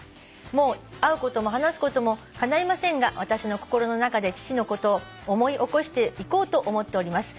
「もう会うことも話すこともかないませんが私の心の中で父のことを思い起こしていこうと思っております。